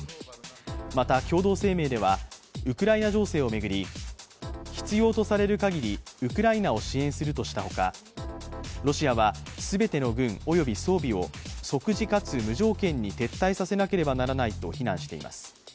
また、共同声明ではウクライナ情勢を巡り必要とされるかぎりウクライナを支援するとしたほかロシアは全ての軍及び装備を即時かつ無条件に撤退させなければならないと非難しています。